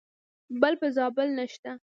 بل په زابل نشته .